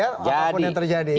apa pun yang terjadi